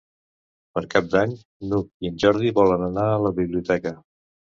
Per Cap d'Any n'Hug i en Jordi volen anar a la biblioteca.